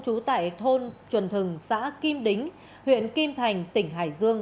trú tại thôn chuẩn thừng xã kim đính huyện kim thành tỉnh hải dương